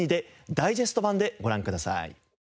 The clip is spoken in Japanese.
ダイジェスト版でご覧ください。